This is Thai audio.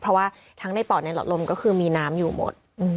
เพราะว่าทั้งในปอดในหลอดลมก็คือมีน้ำอยู่หมด